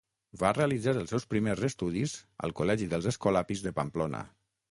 Va realitzar els seus primers estudis al col·legi dels Escolapis de Pamplona.